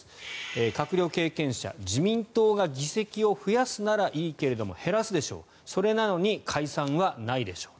閣僚経験者自民党が議席を増やすならいいけれども減らすでしょうそれなのに解散はないでしょう。